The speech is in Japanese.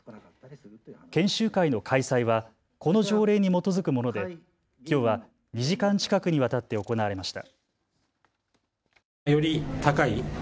研修会の開催はこの条例に基づくもので、きょうは２時間近くにわたって行われました。